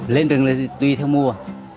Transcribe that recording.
lên rừng là tùy theo mùa